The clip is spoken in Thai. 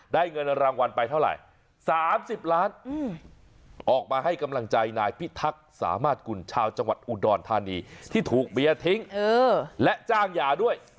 เงินรางวัลไปเท่าไหร่๓๐ล้านออกมาให้กำลังใจนายพิทักษ์สามารถกุลชาวจังหวัดอุดรธานีที่ถูกเบียร์ทิ้งและจ้างยาด้วย